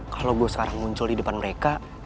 kalau gue sekarang muncul di depan mereka